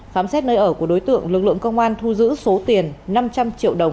khám xét nơi ở của đối tượng lực lượng công an thu giữ số tiền năm trăm linh triệu đồng